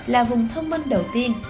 là vùng thông minh đầu tiên